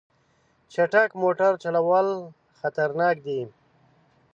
چټک موټر چلول خطرناک دي.